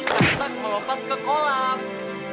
katak melompat ke kolam